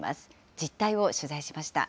実態を取材しました。